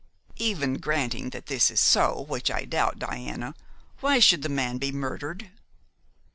"Even granting that this is so, which I doubt, Diana, why should the man be murdered?"